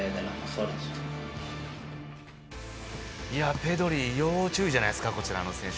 ペドリ要注意じゃないですか。